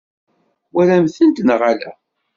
Twala-tent neɣ ala?